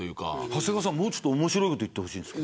長谷川さん、もうちょっと面白いことを言ってほしいです。